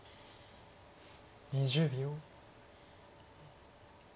２０秒。